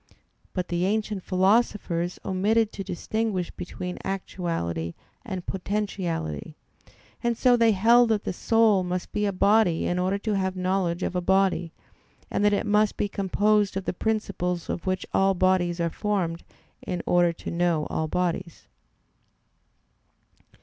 But the ancient philosophers omitted to distinguish between actuality and potentiality; and so they held that the soul must be a body in order to have knowledge of a body; and that it must be composed of the principles of which all bodies are formed in order to know all bodies.